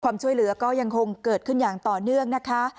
ความช่วยเหลือก็ยังคงเกิดขึ้นอย่างต่อเนื่องนะคะ